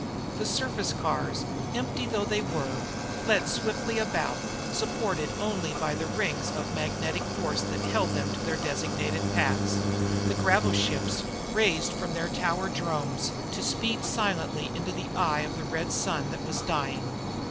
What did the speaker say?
The surface cars, empty though they were, fled swiftly about supported only by the rings of magnetic force that held them to their designated paths. The gravoships raised from the tower dromes to speed silently into the eye of the red sun that was dying.